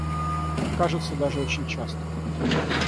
Кажется, даже очень часто.